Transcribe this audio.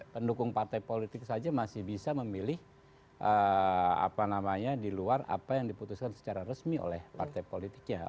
pendukung partai politik saja masih bisa memilih apa namanya di luar apa yang diputuskan secara resmi oleh partai politiknya